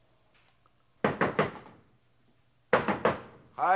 はい！